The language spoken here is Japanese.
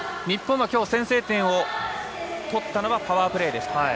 日本はきょう先制点を取ったのはパワープレーでした。